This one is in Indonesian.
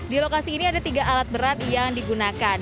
di lokasi ini ada tiga alat berat yang digunakan